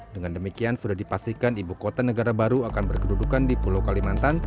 dengan demikian sudah dipastikan ibu kota negara baru akan berkedudukan di pulau kalimantan